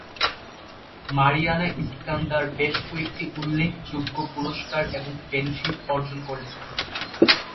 Mariana Iskandar বেশ কয়েকটি উল্লেখযোগ্য পুরষ্কার এবং ফেলোশিপ অর্জন করেছেন।